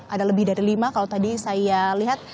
ada lebih dari lima kalau tadi saya lihat